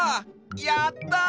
やった！